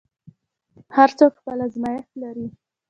هر څوک خپل ازمېښت لري.